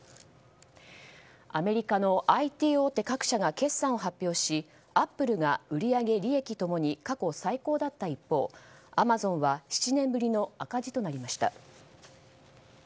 アメリカのＩＴ大手各社が決算を発表しアップルが売り上げ、利益共に過去最高だった一方アマゾンは７年ぶりの赤字となりました。